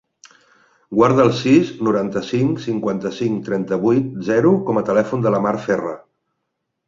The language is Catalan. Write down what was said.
Guarda el sis, noranta-cinc, cinquanta-cinc, trenta-vuit, zero com a telèfon de la Mar Ferre.